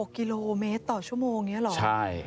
กิโลเมตรต่อชั่วโมงนี้เหรอใช่